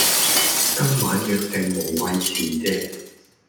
今晚約定無謂辭謝